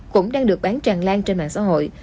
cũng đang được bán tràn lan trên mạng xã hội